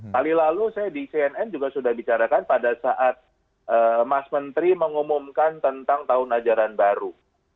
kali lalu saya di cnn juga sudah bicarakan pada saat mas menteri mengumumkan tentang tahun ajaran baru